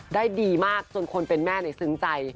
ได้ดีมากจนคนเป็นแม่ซึ้งใจ